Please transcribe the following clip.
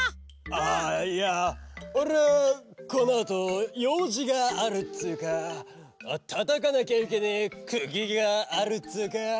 ・ああいやおれはこのあとようじがあるっつうかたたかなきゃいけねえくぎがあるっつうか。